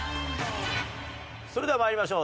それでは参りましょう。